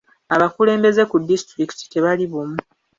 Abakulembeze ku disitulikiti tebali bumu.